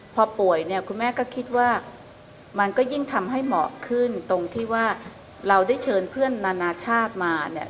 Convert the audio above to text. พอป่วยเนี่ยคุณแม่ก็คิดว่ามันก็ยิ่งทำให้เหมาะขึ้นตรงที่ว่าเราได้เชิญเพื่อนนานาชาติมาเนี่ย